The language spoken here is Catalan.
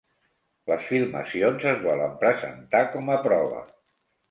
Les filmacions es volen presentar com a prova